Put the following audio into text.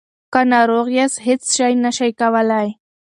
که ناروغ یاست هیڅ نشئ کولای.